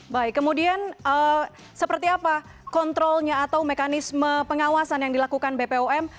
baik kemudian seperti apa kontrolnya atau mekanisme pengawasan yang dilakukan bpom